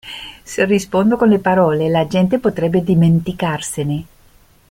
Se rispondo con le parole, la gente potrebbe dimenticarsene.